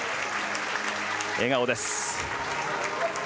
笑顔です。